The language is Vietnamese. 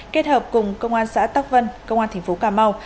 kết hợp cùng công an xã tắc vân công an thành phố cà mau